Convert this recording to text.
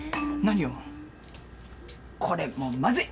これもうまずい。